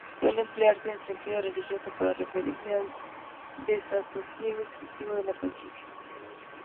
Suele emplearse en sentido religioso para referirse al desasosiego excesivo de la conciencia.